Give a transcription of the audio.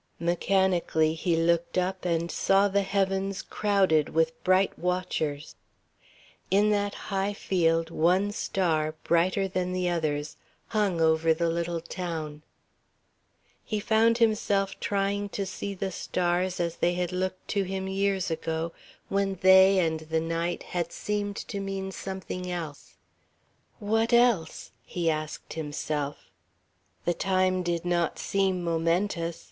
Mechanically he looked up and saw the heavens crowded with bright watchers. In that high field one star, brighter than the others, hung over the little town. He found himself trying to see the stars as they had looked to him years ago, when they and the night had seemed to mean something else.... "What else?" he asked himself. The time did not seem momentous.